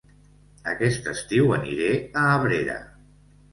Aquest estiu aniré a Abrera